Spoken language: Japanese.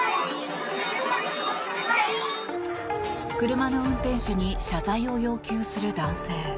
車の運転手に謝罪を要求する男性。